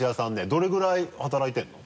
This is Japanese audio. どれぐらい働いてるの？